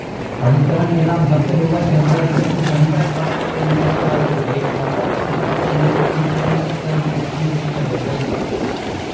படித்தவனெல்லாம் பத்து ரூபாய் சம்பளத்துக்குப் பஞ்சாய்ப் பறக்கிற இந்தக் காலத்திலே பத்தாவது படித்த நான் என்ன பண்ணுவதென்றுதான் தெரியவில்லை.